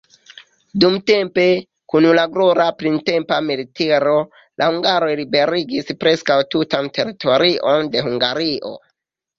Dumtempe, kun la glora printempa militiro, la hungaroj liberigis preskaŭ tutan teritorion de Hungario.